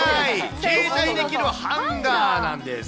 携帯できるハンガーなんです。